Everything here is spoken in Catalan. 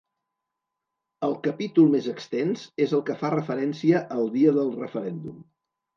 El capítol més extens és el que fa referència al dia del referèndum.